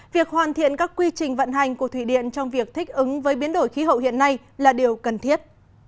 việc hoàn thiện các quy trình vận hành của thủy điện trong việc thích ứng với biến đổi khí hậu hiện nay là điều cần thiết